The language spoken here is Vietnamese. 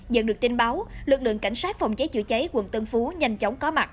dần được tin báo lực lượng cảnh sát phòng cháy chữa cháy quận tân phú nhanh chóng có mặt